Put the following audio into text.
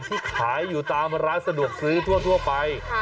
ที่ขายอยู่ตามร้านสะดวกซื้อทั่วไป